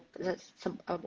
untuk pulang gitu loh